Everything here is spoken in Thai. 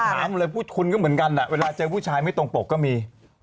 ถามเลยพูดคุณก็เหมือนกันเวลาเจอผู้ชายไม่ตรงปกก็มี